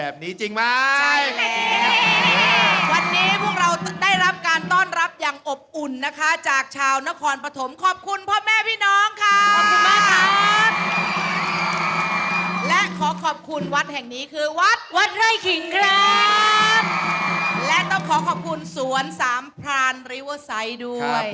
และต้องขอขอบคุณสวนสามพรานริเวอร์ไซค์ด้วย